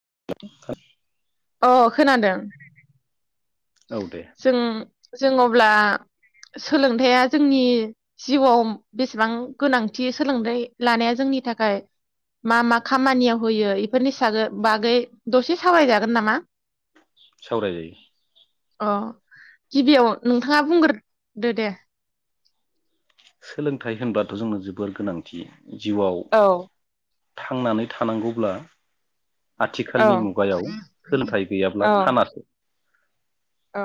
[inaudible] अ खोनादों औ दे जों जों अब्ला सोलोंथाइया जोंनि जिउआव बेसेबां गोनांथि सोलोंथाइ लानाया जोंनि थाखाय मा मा खामानियाव होयो बेफोरनि बागै दसे सावराय जागोन। नामा? सावराय जायो। अ गिबियाव नोंथाङा बुंग्रोदो दे। सोलोंथाइ होनबाथ' जोंनो जोबोर गोनांथि। जिउआव औ थांनानै थानांगौब्ला औ आथिखालनि मुगायाव सोलोंथाइ औ गैयाब्ला खानासै। औ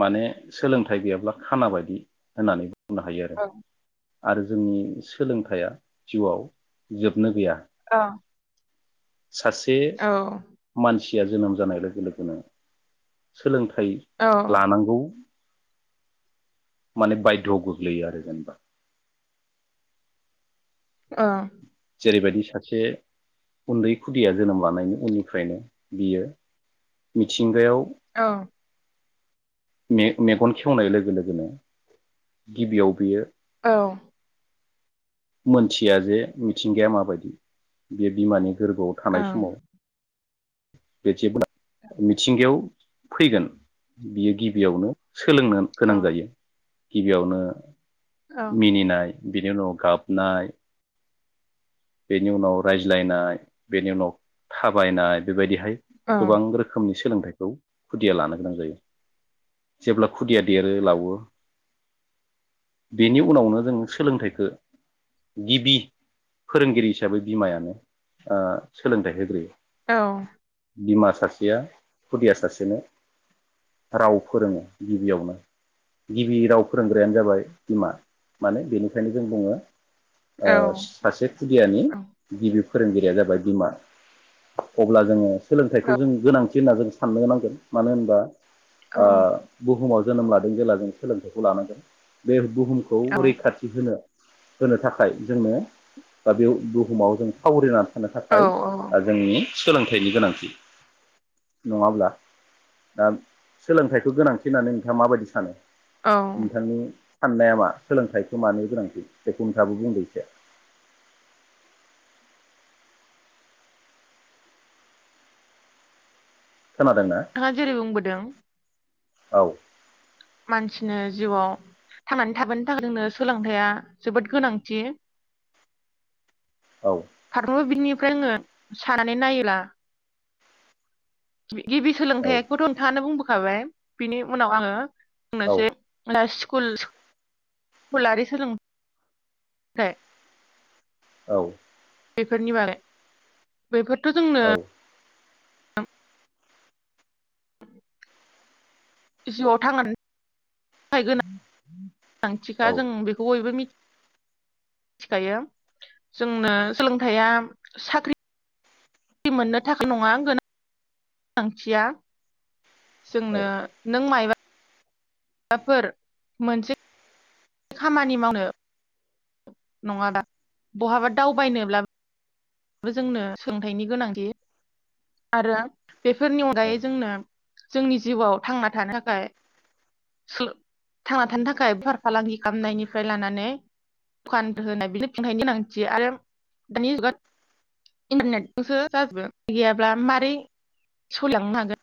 माने सोलोंथाइ गैयाब्ला खाना बादि होननानै बुं बुंनो हायो आरो। औ आरो जोंनि सोलोंथाइया जिउआव जोबनो गैया। ओ सासे मानसि या जोनोम जानाय लोगो लोगोनो सोलोंथ थाइ औ लानांगौ माने बायध'आव गोग्लैयो आरो जेनबा ओ जेरैबायदि सासे उन्दै खुदिया जोनोम लानायनि उननिफ्रायनो बियो मिथिंगायाव औ मे मेगन खेवनाय लोगो लोगोनो गिबियाव बियो। औ मोनथिया जे मिथिंगाया माबादि बे बिमानि गोरबोआव औ थानाय समाव बे जेब्ला मिथिंगायाव फैगोन बियो गिबियावनो सोलोंनो गोनां जायो। गिबियावनो औ मिनिनाय बिनि उनाव गाबनाय बेनि उनाव रायज्लायनाय बेनि उनाव थाबायनाय बेबायदि हाय औ गोबां रोखोमनि सो- सोलोंथाइखौ खुदिया लानो गोनां जायो। जेब्ला खुदिया देरो लावो बेनि उनावनो जों सोलोंथाइखो गिबि फोरोंगिरि हिसाबै बिमायानो ओ सोलोंथाइ होग्रोयो। औ बिमा सासेया खुदिया सासेनो राव फोरोङो गिबियावनो गिबि राव फोरोंग्रायानो जाबाय बिमा माने बेनिखायनो जों बुङो ओ सासे खुदियानि गिबि फोरोंगिरिया जाबाय बिमा। अब्ला जोङो सोलोंथाइखौ जों गोनांथि थि होनना जों साननो नांगोन मानो होनबा ओ बहुमाव जोनोम लादों जेला जों सोलोंथाइखौ लानांगोन बे बुहुमखौ रैखाथि होनो होनो थाखाय जोंनो दा बे बुहुमाव जों थावरिना थानो औ थाखाय ओ जोंनि सोलोंथाइनि गोनांथि नङाब्ला? दा सोलोंथाइखो गोनांथि होननानै नोंथाङा माबायदि सानो? औ नोंथांनि साननाया मा सोलोंथाइखौ मानो गोनांथि बेखौ नोंथाङाबो बुंदों एसे खोनादोंना नोंथाङा जेरै बुंबोदों औ मानसिनो जिउआव थांनानै थाबोनो थाखाय जोंनो सोलोंथाइया जोबोद गोनांथि औ फारफ्रोमबो बिथिंनिफ्राय जोङो साननानै नायोब्ला गिबि औ सोलोंथाइखौथ नोंथाङानो बुंबो खाबाय बिनि उनाव आङो औ बुंनोसै स्कुल स्कुलारि सोलोंथाइ औ बेफोरनि बागै बेफोरथ जोंनो औ जिउआव थांनानै थाखाय [inaudible] गोनांथिखा जों बेखौ बयबो मिथि मिथिखायो जोंनो सोलोंथाइया साख्रि मोननो थाखाय नङा गोनां गोनांथिया जोंनो नों मायबा माबाफोर मोनसे खामानि मावनो नङाबा बहाबा दावबायनोब्ला जोंनो सोलोंथाइनि गोनांथि आरो बेफोरनि अनगायै जोंनो जोंनि जिउआव थांना थानो थाखाय थांना थानो थाखाय बेफार फालांगि खालामनायनिफ्राय लानानै दुखान होनाय बि सोलोंथाइनि गोनांथि आरो दानि जुगा इन्टारनेटजोंसो जाजोबो गैयाब्ला मारै सलिलांनो हागोन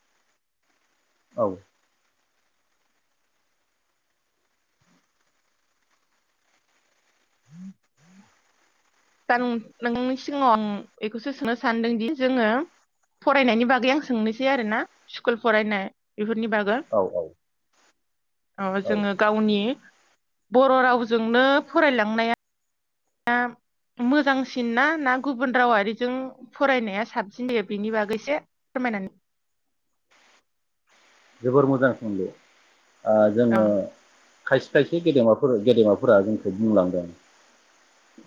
औ दा नोंनि सिगाङाव आं बेखौसो सोंनो सानदोंदि जोङो फरायनायनि बागै आं सोंनोसै आरोना स्कुल फरायनाय बेफोर नि बागै औ औ औ जोङो गावनि बर' रावजोंनो फरायलांनाया दा मोजांसिन ना ना गुबुन रावारिजों फरायनाया साबसिन जायो बेनि बागैसो फोरमायनानै जोबोर मोजां सोंलु ओ अ जोङो खायसे खायसे गेदेमाफोर गेदेमाफोरा जोंखौ बुंलांदों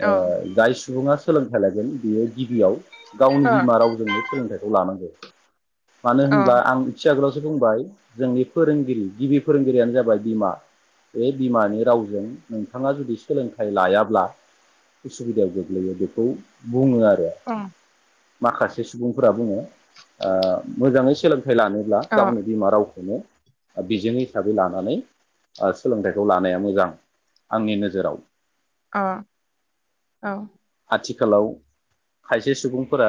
अ ओ जाय सुबुङा सोलोंथाइ लागोन बियो गिबियाव गावनि अ बिमा रावजोंनो सोलोंथाइखौ लानांगौ मानो अ होनब्ला आं इसे आगोलाव बुंबाय जोंनि फोरोंगिरि गिबि फोरोंगिरियानो जाबाय बिमा बे बिमानि रावजों नोंथाङा जुदि सोलोंथाइ लायाब्ला उसुबिदायाव गोग्लैयो बेखौ बुङो आरो अ माखासे सुबुंफोरा बुंङो ओ मोजांङै सोलों लोंथाय लानोब्ला अ गावनि रावखौनो बिजों हिसाबै लानानै सोलोंथाइखौ लानाया मोजां आंनि नोजोराव औ - औ आथिखालाव खायसे सुबुंफोरा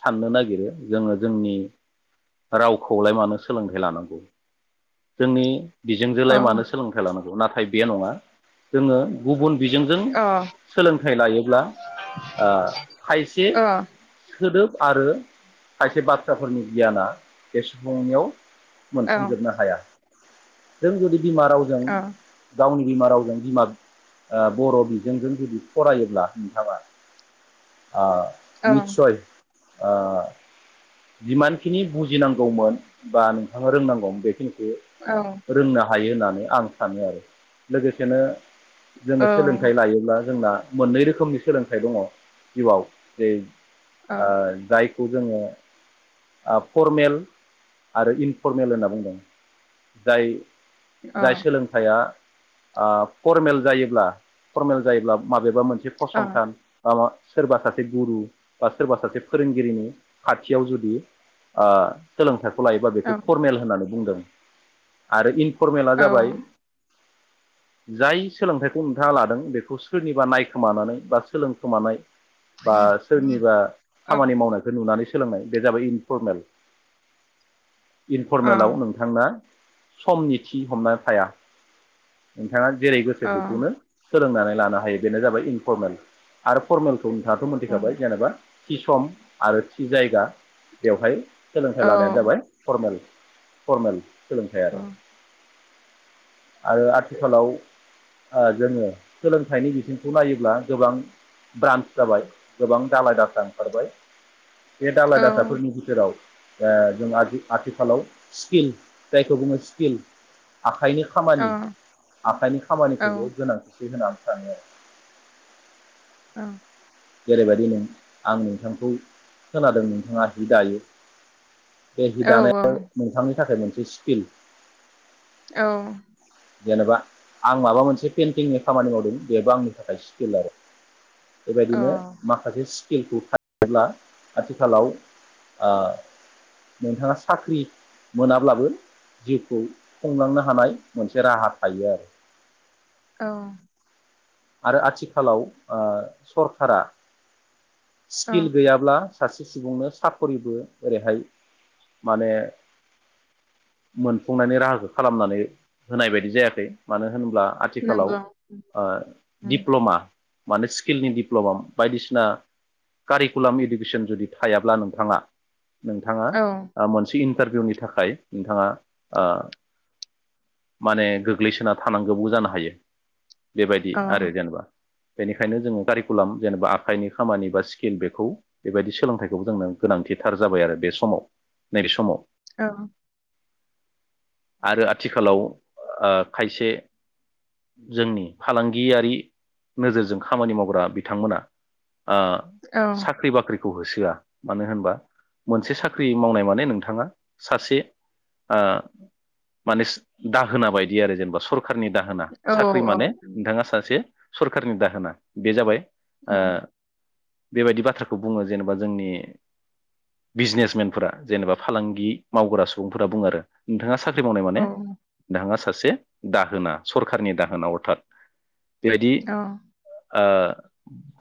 साननो नागिरो जोंङो जोंनि रावखौलाय मानो सोलोंथाइ लानांगौ जोंनि औ बिजोंजोंलाय अ मानो सोलोंथाइ लानांगौ नाथाय बे नंङा जोंङो गुबुन बिजोंजों अ सोलोंथाइ लायोब्ला ओ खायसे सोदोब आरो खायसे बाथ्राफोरनि गियाना बे सुबुंनियाव औ मोनफुंजोबनो हाया। जों जुदि बिमा रावजों औ गावनि बिमा रावजों बिमा बर' बिजोंजों जुदि फरायोब्ला नोंथांङा ओ औ निसय ओ जिमानखिनि बुजिनांगौमोन बा नोंथांङा रोंनांगौमोन बेखिनिखौ औ रोंनो हायो होननानै आं सानो आरो लोगोसेनो जोंङो सोलोंथाइ लायोब्ला जोंना मोननै रोखोमनि सोलोंथाइ दङ जिउआव जे औ ओ जाय खौ जोंङो फरमेल आरो इनफरमेल होनना बुंदों जाय अ जाय सोलोंथाइया फरमेल जायोब्ला फरमेल जायोब्ला माबा बबेबा मोनसे अ औ अ औ फसंथान माबा सोरबा सासे गुरु बा सोरबा सासे फोरोंगिरिनि खाथियाव जुदि ओ सोलोंथा खौ लायोबा बेखौ फरमेल होननानै बुंदों। [inaudible] आरो इन फरमेला जाबाय औ जाय सोलोंथाइखौ नोंथांङा लादों बेखौ सोरनिबा नायखोमानानै बा सोलोंखोमानाय बा सोरनिबा अ औ खामानि मावनायखौ नुनानै सोलोंनाय बे जाबाय इनफरमेल औ इनफरमेलाव नोंथांना समनि थि हमना थाया नोंथाङा जेरै गोसो औ बेखौनो सोलोंनानै लानो हायो बेनो जाबाय इनफरमेल आरो फरमेल खौ नोंथाङाथ' औ मोनथिखाबाय जेनेबा थि सम आरो थि जायगा बेवहाय सोलोंथाइ लानायानो जाबाय फरमेल फरमेल सोलोंथाइ आरो आरो आथिखालाव ओ जोङो सोलोंथाइनि बिथिंखौ नायोब्ला गोबां ब्रान्स जाबाय गोबां दालााय दासा ओंखारबाय बे दालाय दासाफोरनि बिथोराव ओ जों आथि आथिखालाव स्किल जायखौ बुङो स्किल आखाइनि खामानि आखाइनि खामानिखौबो गोनांथि थि होननानै सानो आरो औ जेरैबायदि नों आं नोंथांखौ खोनादों नोंथाङा जि दायो बे हिदानाय ओ नोंथां नि थाखाय मोनसे स्किल औ जेनेबा आं माबा मोनसे पेइन्टिंनि खामानि मावदों बेबो आंनि थाखाय स्किल आरो बेबायदिनो माखासे किलखौ थायोब्ला आथिखालाव ओ नोंथाङा साख्रि मोनाब्लाबो जिउखौ खुंलांनो हानाय मोनसे राहा थायो आरो औ आरो आथिखालाव ओ सरखारा औ स्किल गैयाब्ला सासे सुबुंनो साकरिबो ओरैहाय माने मोनफुंनायनि राहाखो खालामनानै होनाय बायदि जायाखै मानो होनब्ला आथिखालाव नंगौ ओ दिप्ल'मा माने स्किलनि दिप्ल'मा बायदिसिना कारिकुलाम इडुकेसन जुदि थायाब्ला नोंथाङा नोंथाङा ओ मोनसे इन न्टारभिउनि थाखाय नोंथाङा ओ माने गोग्लैसोना थानांगौबो जानो हायो बेबाय औ अ आरो जेनबा बेनिखायनो जोङो कारिकुलाम जेनेबा आखाइनि खामानि बा स्किल बेखौ बेबायदि सोलोंथाइखौबो जोंनो गोनांथिथार जाबाय आरो बे समाव नैबे समाव। औ आरो आथिखालाव ओ खायसे जोंनि फालां गियारि नोजोरजों खामानि मावग्रा बिथांमोना ओ औ साख्रि बाख्रि खौ होसोआ मानो होनबा मोनसे साख्रि मावनाय माने नोंथाङा सासे ओ माने दाहोना बायदि आरो जेनेबा सर खारनि दाहोना औ साख्रि औ माने ङा सासे सरखारनि दाहोना बे जाबाय ओ बेबायदि बाथ्राखौ बुङो जेनेबा जोंनि बिजनेसमेनफोरा जेनेबा फालांगि मावग्रा सुबुंफोरा बुङो आरो नोंथाङा सा ख्रि मावनाय औ माने दाङा सा सासे दाहोना सरखारनि दाहोना अर्थात बेबायदि ओ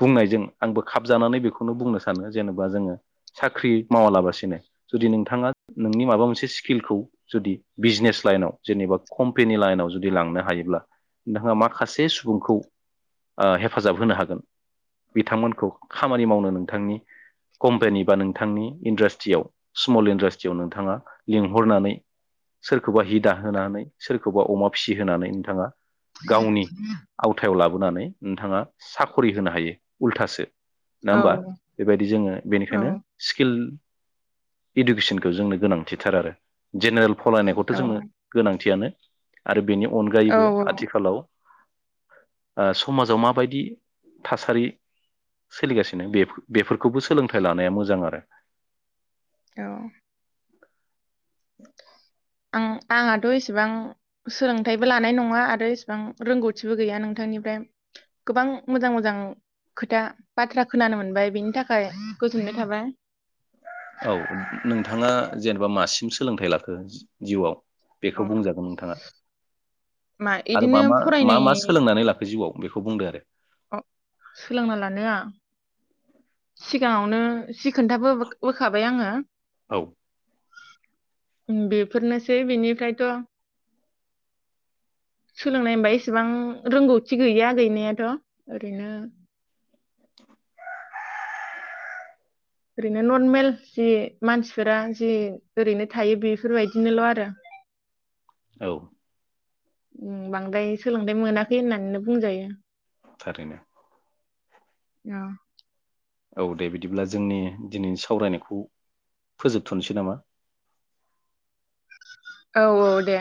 बुंनायजों आंबो खाबजानानै बेखौनो बुंनो सानो जेनेबा जोङो साख्रि मावालाबासिनो जुदि नोंथाङा नोंनि माबा मोनसे स्किलखौ जुदि बिजनेस लाइनाव जेनेबा कम्पेनि लाइनाव जुदि लांनो हायोब्ला नोंथाङा मा खासे सुबुंखौ ओ हेफाजाब होनो हागोन बिथांमोनखौ खामानि मावनो नोंथांनि कम्पानि बा नोंथांनि इन्डास्ट्रियाव स्मल इन्डास्ट्रियाव नोंथाङा लिंहरनानै सोरखौबा हि दाहोनानै सोरखौबा अमा फिसि होनानै नोंथाङा गावनि [inaudible] आवथायाव लाबोनानै नोंथाङा साखरि होनो हायो उल्थासो औ नङा होमबा बेबायदि जोङो बेनिखायनो स्किल इडुकेसनखौ जोंनो गोनांथिथार आरो जेनेरेल फरायनायखौथ औ जोंनो गोनांथियानो आरो बेनि औ अनगायैबो आथिखालाव ओ समाजाव माबायदि थासारि सोलिगासिनो बेफोर बेफोरखौबो सोलोंथाइ लानाया मोजां आरो। औ ओं आंहाथ‌ इसेबां सोलोंथाइबो लानाय नङा आरो इसेबां रोंगौथिबो गैया नोंथांनिफ्राय गोबां मोजां मोजां खोथा बाथ्रा खोनानो मोनबाय बेनि थाखाय गोजोननाय थाबाय। औ नोंथाङा जेनेबा मासिम सोलोंथाइ लाखो जिउवाव अ बेखौ बुंजागोन नोंथाङा मा आरो इदिनो मा मा मा फरायनाय मा सोलोंनानै लाखो जिउआव बेखौ बुंदो आरो। अ सोलोंना लानाया सिगाङावनो जि खोन्थाबो होखाबाय आङो। औ बेफोरनोसै बिनिफ्रायथ सोलोंनाय होनबा एसेबां रोंगौथि गैया गैनायाथ ओरैनो ओरैनो नरमेल जि मानसिफोरा जि ओरैनो थायो बेफोरबायदिनोल‌ आरो औ ओ बांद्राय सोलोंथायाइ मोनाखै होननानैनो बुंजायो। थारैनो औ औ दे बिदिब्ला जोंनि दिनैनि सावरायनायखौ फोजोबथनोसै नामा? औ औ दे